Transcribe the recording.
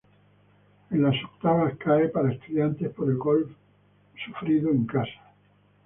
En las octavas, cae para Estudiantes por el gol sufrido en casa.